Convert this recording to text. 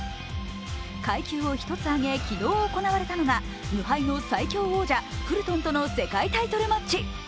階級を１つ上げ、昨日行われたのが無敗の最強王者・フルトンとの世界タイトルマッチ。